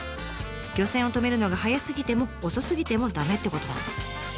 漁船を止めるのが早すぎても遅すぎても駄目ってことなんです。